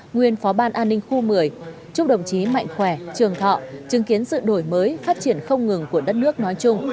nguyên phó ban an ninh khu một mươi chúc đồng chí mạnh khỏe trường thọ chứng kiến sự đổi mới phát triển không ngừng của đất nước nói chung